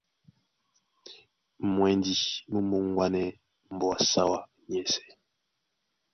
Mwɛndi mú mōŋgwanɛɛ́ mbóa á sáwá nyɛ́sɛ̄.